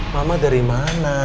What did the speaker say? mama dari mana